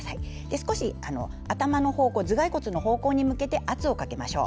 少し頭がい骨の方向に向けて圧をかけましょう。